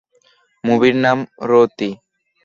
মুভির নাম, রোতি।